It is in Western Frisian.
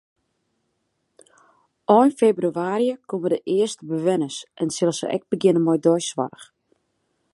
Ein febrewaarje komme de earste bewenners en sille se ek begjinne mei deisoarch.